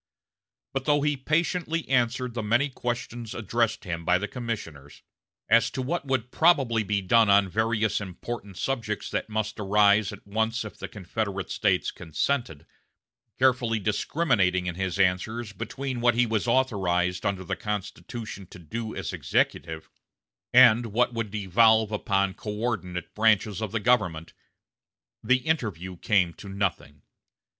But though he patiently answered the many questions addressed him by the commissioners, as to what would probably be done on various important subjects that must arise at once if the Confederate States consented, carefully discriminating in his answers between what he was authorized under the Constitution to do as Executive, and what would devolve upon coördinate branches of the government, the interview came to nothing.